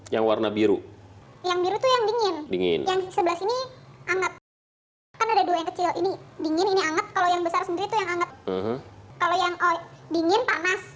yang warna biru yang biru yang dingin dingin yang di sebelah sini anget anget kalau yang dingin panas